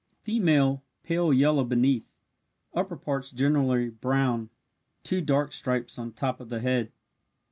Female pale yellow beneath upper parts generally brown two dark stripes on top of the head.